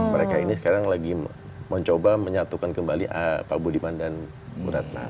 mereka ini sekarang lagi mencoba menyatukan kembali pak budiman dan bu ratna